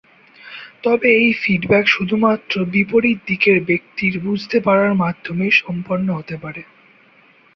তবে এই ফিডব্যাক শুধুমাত্র বিপরীত দিকের ব্যক্তির বুঝতে পারার মাধ্যমেই সম্পন্ন হতে পারে।